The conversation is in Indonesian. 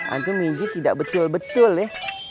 antum menjijit tidak betul betul ya